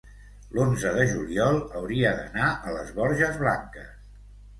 l'onze de juliol hauria d'anar a les Borges Blanques.